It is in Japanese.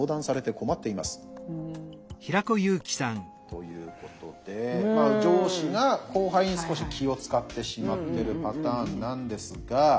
ということで上司が後輩に少し気を遣ってしまってるパターンなんですが。